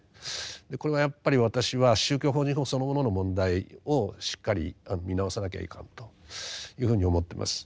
これはやっぱり私は宗教法人法そのものの問題をしっかり見直さなきゃいかんというふうに思ってます。